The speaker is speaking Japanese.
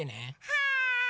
はい！